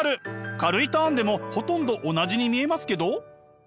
軽いターンでもほとんど同じに見えますけど？